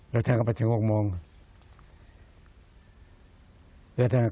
แล้วท่านจะช่วงบ้านเลยมอง